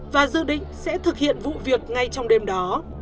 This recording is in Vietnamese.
và dự định sẽ thực hiện vụ việc ngay trong đêm đó